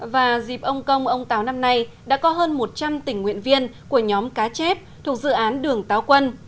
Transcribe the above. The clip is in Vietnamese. và dịp ông công ông táo năm nay đã có hơn một trăm linh tình nguyện viên của nhóm cá chép thuộc dự án đường táo quân